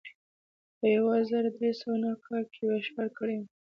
په یو زر درې سوه نهه کال کې بشپړه کړې وه.